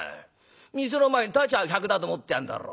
店の前に立ちゃ客だと思ってやんだろ。